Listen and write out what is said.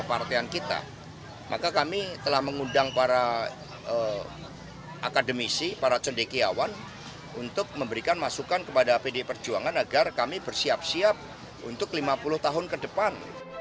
akademisi para cendekiawan untuk memberikan masukan kepada pdi perjuangan agar kami bersiap siap untuk lima puluh tahun ke depan